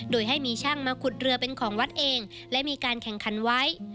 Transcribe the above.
โดยให้มีช่างมาขุดเรือเป็นของวัดเองและมีการแข่งขันไว้